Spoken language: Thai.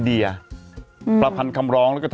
มันติดคุกออกไปออกมาได้สองเดือน